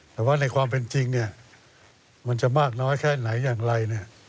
แต่ว่าในความเป็นจริงมันจะมากน้อยแค่ไหนอย่างไร